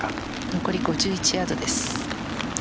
残り５１ヤードです。